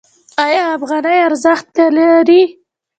آیا افغانۍ ارزښت لري؟